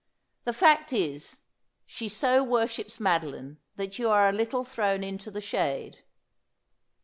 ' The fact is, she so worships Madoline that you are a little thrown into the shade.'